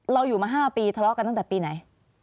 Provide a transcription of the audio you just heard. เราอยู่มา๕ปีทะเลาะกันตั้งแต่ปีไหน